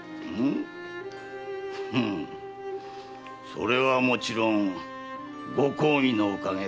それはもちろん御公儀のおかげだ。